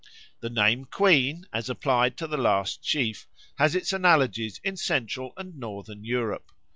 The name Queen, as applied to the last sheaf, has its analogies in Central and Northern Europe.